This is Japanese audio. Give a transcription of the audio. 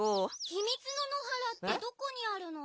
ひみつの野原ってどこにあるの？